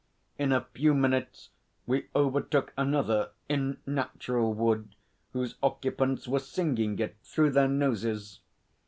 In a few minutes we overtook another, in natural wood, whose occupants were singing it through their noses.